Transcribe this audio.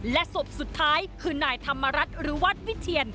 และศพสุดท้ายคือนายธรรมรัฐหรือวัดวิเทียน